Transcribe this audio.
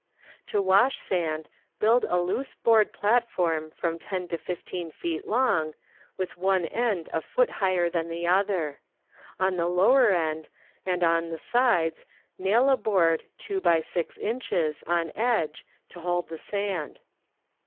To wash sand build a loose board platform from 10 to IS feet long, with one end a foot higher than the other. On the lower end and on the sides nail a board 2 by 6 inches on edge to hold the sand.